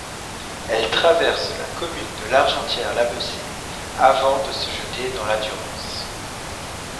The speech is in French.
Elle traverse la commune de L'Argentière-la-Bessée, avant de se jeter dans la Durance.